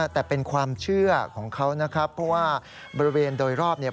แต่เป็นความเชื่อของเขานะครับเพราะว่าบริเวณโดยรอบเนี่ย